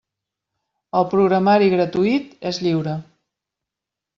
El programari gratuït és lliure.